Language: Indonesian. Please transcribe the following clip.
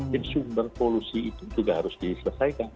jadi sumber polusi itu juga harus diselesaikan